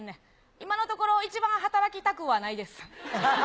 今のところ、一番働きたくはないです。